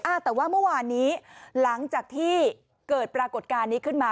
อ่าแต่ว่าเมื่อวานนี้หลังจากที่เกิดปรากฏการณ์นี้ขึ้นมา